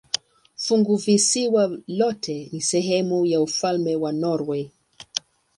Funguvisiwa lote ni sehemu ya ufalme wa Norwei.